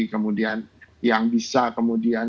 kemudian yang bisa kemudian